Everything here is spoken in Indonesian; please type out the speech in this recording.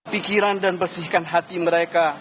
pikiran dan bersihkan hati mereka